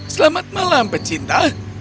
selamat malam pecinta